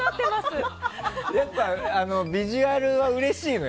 やっぱビジュアルはうれしいの？